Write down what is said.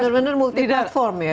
benar benar multi platform ya